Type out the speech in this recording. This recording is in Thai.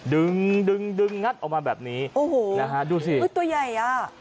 ดึงดึงดึงงัดออกมาแบบนี้โอ้โหอึดตัวใหญ่